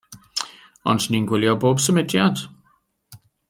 Ond ni'n gwylio pob symudiad.